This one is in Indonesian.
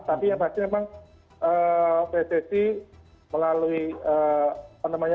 tapi yang pasti memang pssi melalui apa namanya